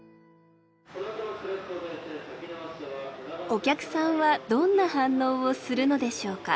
お客さんはどんな反応をするのでしょうか。